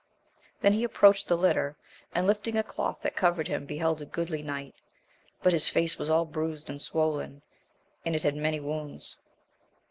Then he approached the litter, and lifting a cloth that covered hin^ beheld a goodly knight, but his face was all bruised and swoln, and it had many wounds.